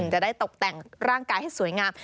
จะได้ตกแต่งร่างกายให้สวยงาม